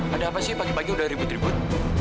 ada apa sih pagi pagi udah ribut ribut